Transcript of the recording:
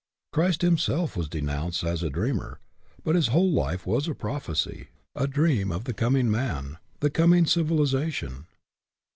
Christ Himself was denounced as a dreamer, but His whole life was a prophecy, a dream of the coming man, the coming civiliza tion.